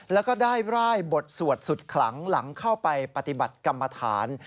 แล้วก็ได้ร่ายบทสวดสุดขลังหลังเข้าไปปฏิบัติกรรมฐาน